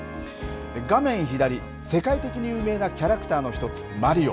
画面左、世界的に有名なキャラクターの一つ、マリオ。